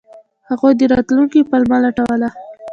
هغوی د راتلونکي پلمه لټوله.